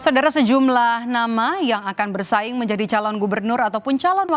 ada sejumlah nama yang akan bersaing menjadi calon gubernur ataupun calon wakil